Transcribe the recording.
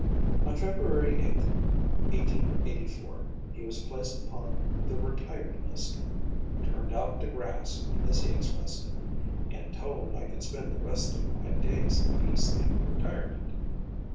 On February 8, 1884, he was placed upon the retired list "turned out to grass," as he expressed it, "and told I could spend the rest of my days in peace and retirement."